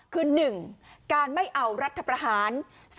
คือ๑การไม่เอารัฐประหาร